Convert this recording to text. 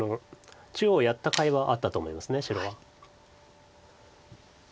中央やったかいはあったと思います白は。